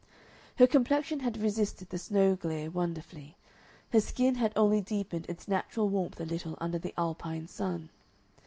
Her complexion had resisted the snow glare wonderfully; her skin had only deepened its natural warmth a little under the Alpine sun.